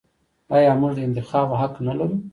آیا موږ د انتخاب حق نلرو؟